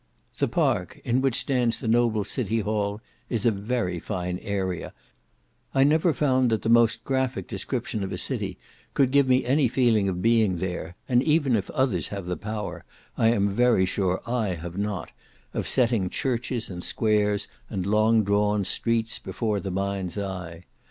The Park, in which stands the noble city hall, is a very fine area, I never found that the most graphic description of a city could give me any feeling of being there; and even if others have the power, I am very sure I have not, of setting churches and squares, and long drawn streets, before the mind's eye.